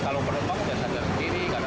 kadang ada yang ngasihnya ikan buli untuk tepu